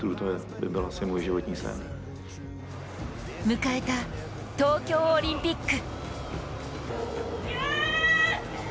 迎えた東京オリンピック。